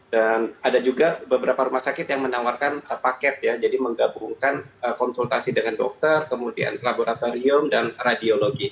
dan ada juga beberapa rumah sakit yang menawarkan paket ya jadi menggabungkan konsultasi dengan dokter kemudian laboratorium dan radiologi